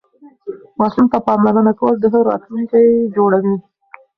ماشوم ته پاملرنه کول د هغه راتلونکی جوړوي.